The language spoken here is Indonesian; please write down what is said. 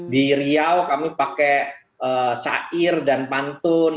di riau kami pakai sair dan pantun